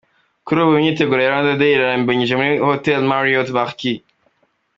Kuri ubu imyiteguro ya Rwanda Day irarimbanyije muri Hote Marriot Marquis.